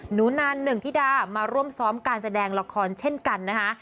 หนูนานหนึ่งธิดามาร่วมซ้อมการแสดงละครเช่นกันนะคะ